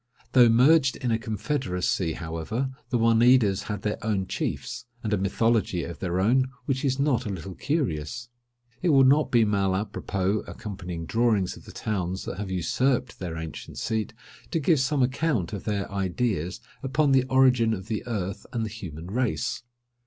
Though merged in a confederacy, however, the Oneidas had their own chiefs; and a mythology of their own, which is not a little curious. It will not be mal apropos, accompanying drawings of the towns that have usurped their ancient seat, to give some account of their ideas upon the origin of the earth and the human race.